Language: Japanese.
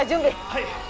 はい！